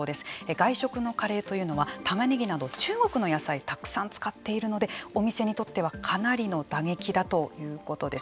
外食のカレーというのはタマネギなど中国の野菜をたくさん使っているのでお店にとってはかなりの打撃だということです。